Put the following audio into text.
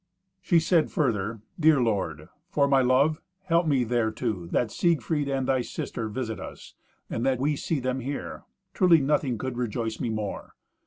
She said further, "Dear lord, for my love, help me thereto, that Siegfried and thy sister visit us, and that we see them here. Truly nothing could rejoice me more.